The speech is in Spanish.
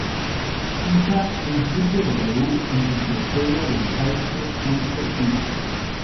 Ficha en www.enciclopediadelcalcio.it